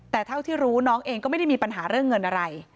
แต่เท่าที่รู้น้องเองก็ไม่ได้มีปัญหาเรื่องเงินอะไร